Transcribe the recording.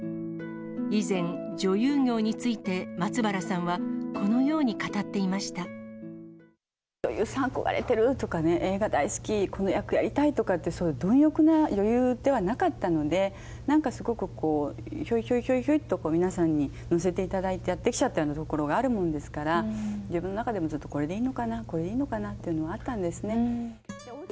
以前、女優業について松原さんは、女優さん憧れてるとかね、映画大好き、この役やりたいとかってそういう貪欲な女優ではなかったので、なんかすごくこう、ひょいひょいひょいっと、皆さんにのせていただいてやってきちゃったようなところがあるものですから、自分の中でもずっと、これでいいのかな、これでいいのかなっていうのがあったんですね。